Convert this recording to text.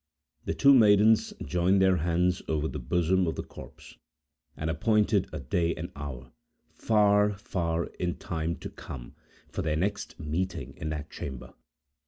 The two maidens joined their hands over the bosom of the corpse, and appointed a day and hour, far, far in time to come, for their next meeting in that chamber.